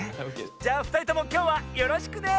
じゃあふたりともきょうはよろしくね！